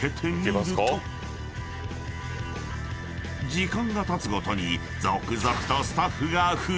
［時間がたつごとに続々とスタッフが増えだす］